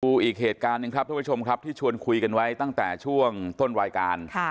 อีกเหตุการณ์หนึ่งครับทุกผู้ชมครับที่ชวนคุยกันไว้ตั้งแต่ช่วงต้นรายการ